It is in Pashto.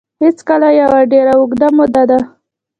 هېڅکله یوه ډېره اوږده موده ده